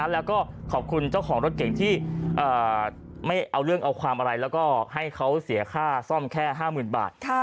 แล้วก็ขอบคุณเจ้าของรถเก่งที่ไม่เอาเรื่องเอาความอะไรแล้วก็ให้เขาเสียค่าซ่อมแค่๕๐๐๐บาท